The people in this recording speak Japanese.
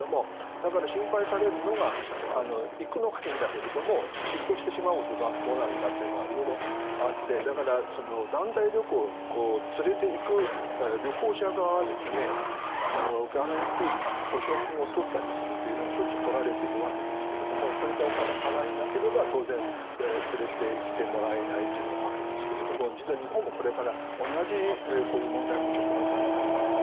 だから、心配されるのが行くのはいいんだけども失踪してしまうとどうなるかというのは色々あってだから団体旅行に連れていく旅行者側はギャランティー保証金を取ったりする措置が取られたりしているわけですがそういったお金を払えなければ当然、連れていってもらえないわけですが実は、日本もこれから同じ問題に直面すると思います。